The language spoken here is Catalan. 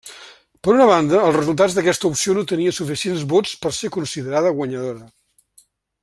Per una banda, els resultats d'aquesta opció no tenia suficients vots per ser considerada guanyadora.